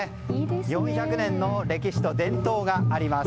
４００年の歴史と伝統があります。